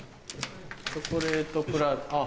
「チョコレートプラ」あっ。